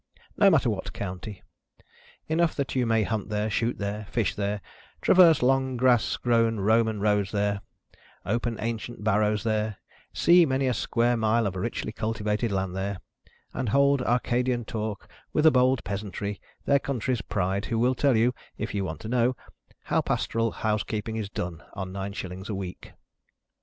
No matter what county. Enough that you may hunt there, shoot there, fish there, traverse long grass grown Roman roads there, open ancient barrows there, see many a square mile of richly cultivated land there, and hold Arcadian talk with a bold peasantry, their country's pride, who will tell you (if you want to know) how pastoral housekeeping is done on nine shillings a week.